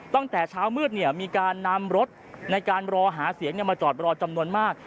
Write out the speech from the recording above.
ตั้งแต่เช้ามืดมีการนำรถในการรอหาเสียงมาจอดรอจำนวนมาก